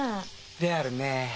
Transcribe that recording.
であるね。